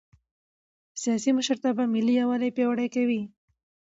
سیاسي مشرتابه ملي یووالی پیاوړی کوي